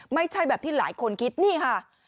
ไม่ใช่แบบที่หลายคนคิดนี่ค่ะ